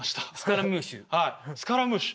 スカラムーシュ。